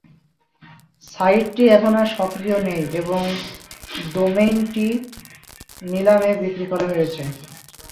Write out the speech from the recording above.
সাইটটি এখন আর সক্রিয় নেই এবং ডোমেইনটি নিলামে বিক্রি করা হয়েছে।